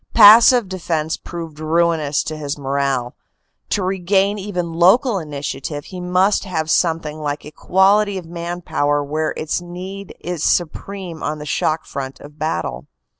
Passive defense proved ruinous to his morale; to re gain even local initiative he must have something like equality of man power where its need is supreme on the shock front of battle.